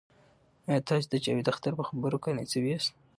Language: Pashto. آیا تاسې د جاوید اختر په خبرو قانع شوي یاست؟